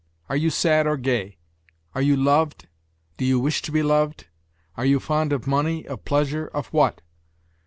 "Are you sad or gay? Are you loved? Do you wish to be loved? Are you fond of money, of pleasure, of what?